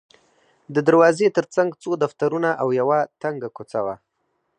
د دروازې ترڅنګ څو دفترونه او یوه تنګه کوڅه وه.